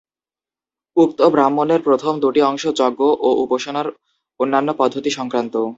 উক্ত ব্রাহ্মণের প্রথম দুটি অংশ যজ্ঞ ও উপাসনার অন্যান্য পদ্ধতি সংক্রান্ত।